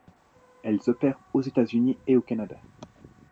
Elles opèrent aux États-Unis et au Canada.